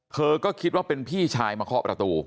เธอก็คิดว่าเป็นพี่ชายมาเคาะประตู